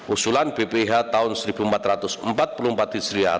usulan bpih tahun seribu empat ratus empat puluh empat hijriah